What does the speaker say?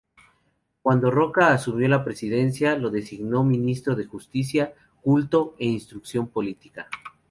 Cuando Roca asumió la presidencia lo designó ministro de Justicia, Culto, e Instrucción Pública.